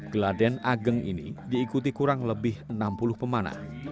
geladen ageng ini diikuti kurang lebih enam puluh pemanah